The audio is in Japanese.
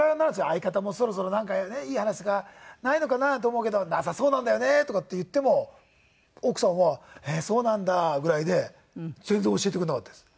「相方もそろそろなんかねいい話とかないのかなと思うけどなさそうなんだよね」とかって言っても奥さんは「へえーそうなんだ」ぐらいで全然教えてくれなかったです。